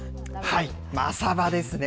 マサバですね。